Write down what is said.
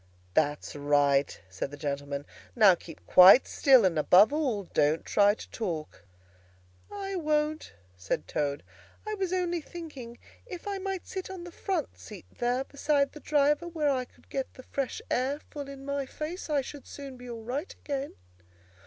"That's right," said the gentleman. "Now keep quite still, and, above all, don't try to talk." "I won't," said Toad. "I was only thinking, if I might sit on the front seat there, beside the driver, where I could get the fresh air full in my face, I should soon be all right again."